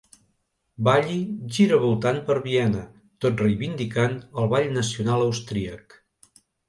Balli giravoltant per Viena, tot reivindicant el ball nacional austríac.